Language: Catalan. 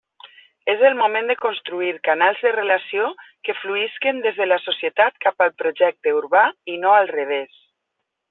És el moment de construir canals de relació que fluïsquen des de la societat cap al projecte urbà i no al revés.